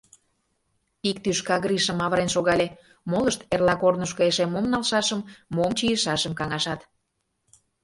Ик тӱшка Гришым авырен шогале, молышт эрла корнышко эше мом налшашым, мом чийышашым каҥашат.